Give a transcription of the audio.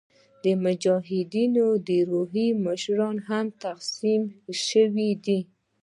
د مجاهدینو روحاني مشران هم تقسیم شوي دي.